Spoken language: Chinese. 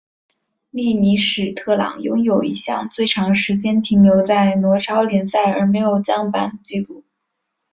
利尼史特朗拥有一项最长时间停留于挪超联赛而没有降班的纪录。